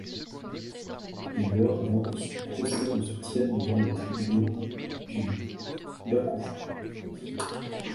Il meurt avant que son procès ne se tienne devant les tribunaux du bakufu.